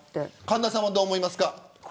神田さんはどう思いますか。